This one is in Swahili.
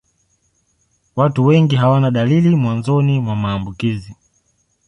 Watu wengi hawana dalili mwanzoni mwa maambukizi.